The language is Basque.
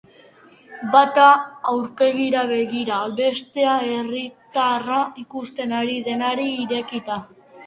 Bata aurpegira begira, bestea herritarra ikusten ari denari irekita.